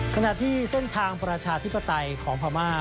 ขณะที่เส้นทางประชาธิปไตยของพม่า